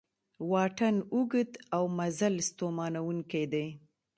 واټن اوږد او مزل ستومانوونکی دی